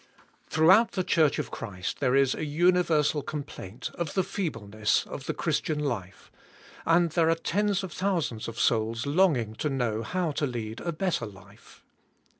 'HROUGHOUT the church of Christ there is a universal complaint of the feebleness of the Christian life, and there are tens of thousands of souls longing to know how to lead a better life.